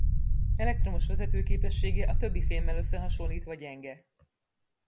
Elektromos vezetőképessége a többi fémmel összehasonlítva gyenge.